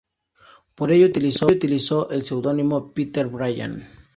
Por ello, utilizó el seudónimo "Peter Bryan".